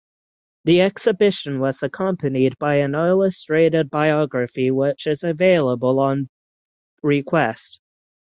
The exhibition was accompanied by an illustrated biography which is available on request.